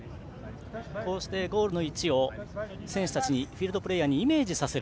こうしてゴールの位置をフィールドプレーヤーにイメージさせる。